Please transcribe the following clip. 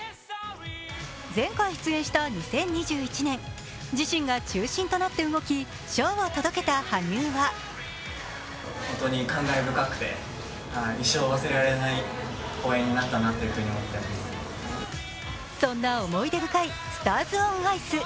前回出演した２０２１年、自身が中心となって動きショーを届けた羽生はそんな思い出深いスターズ・オン・アイス。